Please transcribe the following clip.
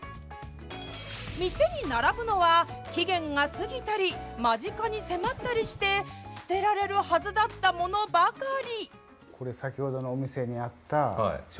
店に並ぶのは期限が過ぎたり間近に迫ったりして捨てられるはずだったものばかり。